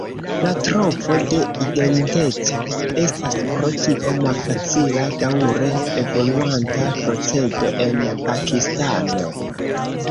La trovo de identeco estas pro tio malfacila daŭre evoluanta procedo en Pakistano.